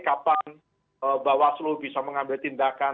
kapan bawaslu bisa mengambil tindakan